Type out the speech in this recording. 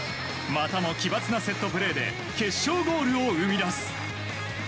またも奇抜なセットプレーで決勝ゴールを生み出す。